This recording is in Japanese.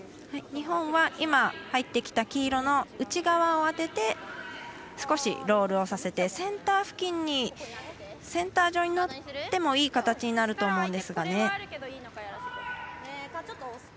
日本は今、入ってきた黄色の内側を当てて少しロールをさせてセンター上に乗ってもいい形になると思うんですが。